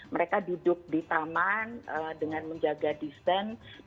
mereka duduk di taman dengan menjaga desain